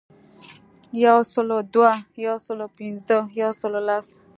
یو سلو دوه، یو سلو پنځه ،یو سلو لس .